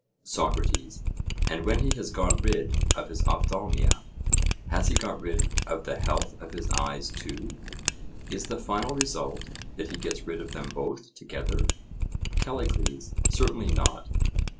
SOCRATES: And when he has got rid of his ophthalmia, has he got rid of the health of his eyes too? Is the final result, that he gets rid of them both together? CALLICLES: Certainly not.